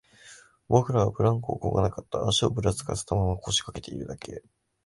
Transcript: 僕らはブランコをこがなかった、足をぶらつかせたまま、腰掛けているだけ